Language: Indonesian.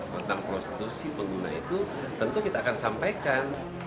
tentang prostitusi pengguna itu tentu kita akan sampaikan